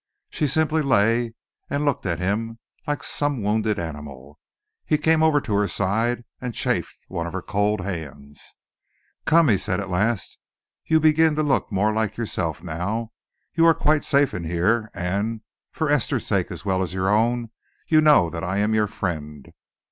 She simply lay and looked at him like some wounded animal. He came over to her side and chafed one of her cold hands. "Come," he said at last, "you begin to look more like yourself now. You are quite safe in here, and, for Esther's sake as well as your own, you know that I am your friend."